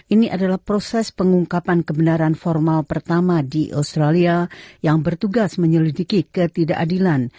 ini adalah proses pengungkapan kebenaran formal pertama di australia yang bertugas menyelidiki ketidakadilan